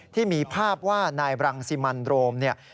ที่มีภาพว่านายบรังสิมันโรมเนี่ย